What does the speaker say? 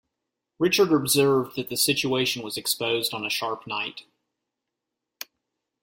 Richard observed that the situation was exposed on a sharp night.